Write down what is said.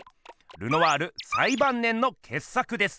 ルノワールさいばん年のけっ作です。